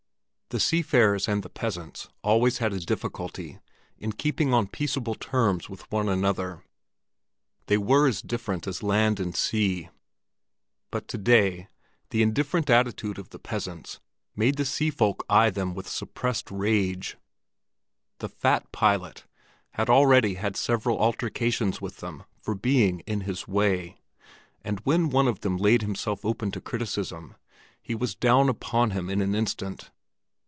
The seafarers and the peasants always had a difficulty in keeping on peaceable terms with one another; they were as different as land and sea. But to day the indifferent attitude of the peasants made the sea folk eye them with suppressed rage. The fat pilot had already had several altercations with them for being in his way; and when one of them laid himself open to criticism, he was down upon him in an instant.